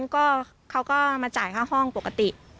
ก็เขาก็มาจ่ายค่าห้องปกติ